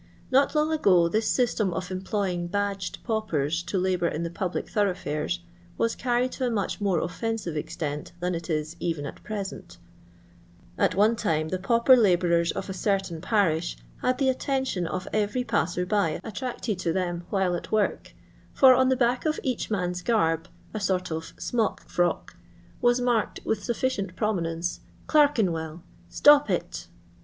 X^ot long ago this system of employing hadfjal paapers to labour in the public thoroughfares was carried to a much more offensive extent than it is even at present At one time the pauper labourers of a certain parish had the attention of every passer by •itmcted to them while at their work, for on the back of each man's garb — a sort of smock frock — was marked, with sufficient prominence, " Clerkeitwbll. Stop it